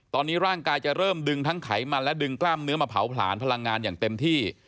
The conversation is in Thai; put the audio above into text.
ตอนนี้ร่างกายจะเริ่มดึงทั้งไขมันและดึงกล้ามเนื้อมาเผาผลาญพลังงานอย่างเต็มที่